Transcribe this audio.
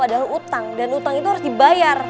padahal utang dan utang itu harus dibayar